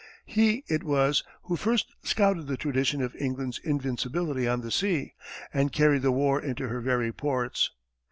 He it was who first scouted the tradition of England's invincibility on the sea, and carried the war into her very ports.